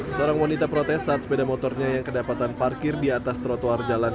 seorang wanita protes saat sepeda motornya yang kedapatan parkir di atas trotoar jalan